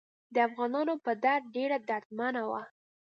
د افغانانو په درد ډیره دردمنه وه.